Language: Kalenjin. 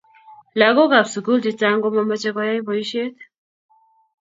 lagookab sugul chechang komamache koyait boishet